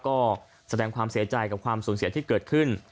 ก็แสดงความเสียใจกับความสูญเสียที่เกิดขึ้น